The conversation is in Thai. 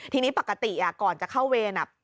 ทีนี้ปกติอ่ะก่อนจะเข้าเวนอ่ะ